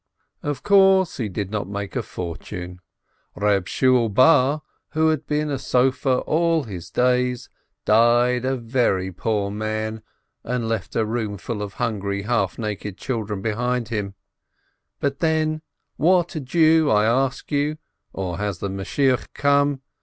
Of course, he did not make a fortune. Reb Shmuel Bar, who had been a scribe all his days, died a very poor man, and left a roomful of hungry, half naked children behind him, but then — what Jew, I ask you (or has Messiah come?)